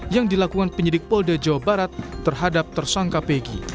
yang dilakukan penyidik polda jabar atas penyidik terhadap tersangka pegi